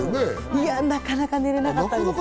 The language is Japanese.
いや、なかなか眠れなかったです。